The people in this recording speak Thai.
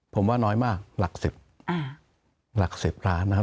ผมว่าน้อยมากหลัก๑๐ล้านนะครับ